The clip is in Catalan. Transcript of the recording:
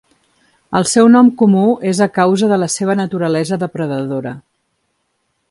El seu nom comú és a causa de la seva naturalesa depredadora.